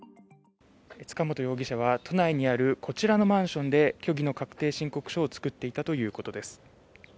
塚本容疑者は都内にあるこちらのマンションで虚偽の確定申告書を作っていたということです。